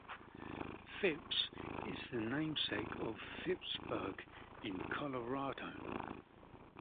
Phipps is the namesake of Phippsburg, Colorado.